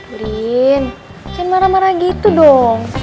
brin jangan marah marah gitu dong